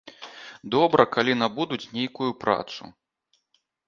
Добра, калі набудуць нейкую працу.